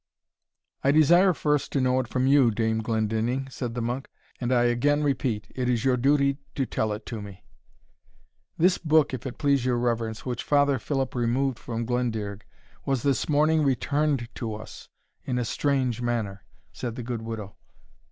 "I desire first to know it from you, Dame Glendinning," said the monk; "and I again repeat, it is your duty to tell it to me." "This book, if it please your reverence, which Father Philip removed from Glendearg, was this morning returned to us in a strange manner," said the good widow.